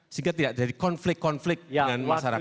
sehingga tidak jadi konflik konflik dengan masyarakat